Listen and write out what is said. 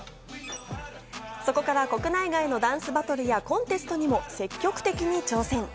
そこから国内外のダンスバトルやコンテストにも積極的に挑戦。